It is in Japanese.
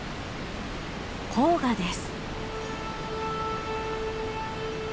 黄河です。